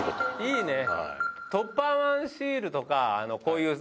いいね！